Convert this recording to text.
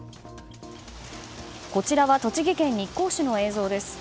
こちらは栃木県日光市の映像です。